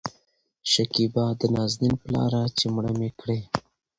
شکيبا : د نازنين پلاره چې مړه مې کړې